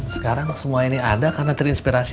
ya kan sekarang semua ini ada karena terinspirasi